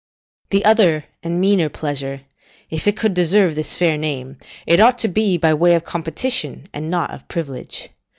The other and meaner pleasure, if it could deserve this fair name, it ought to be by way of competition, and not of privilege.